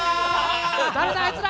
誰だ、あいつら。